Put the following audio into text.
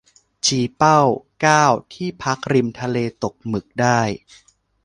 ชี้เป้า เก้า ที่พักริมทะเลตกหมึกได้